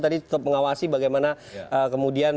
tetap mengawasi bagaimana kemudian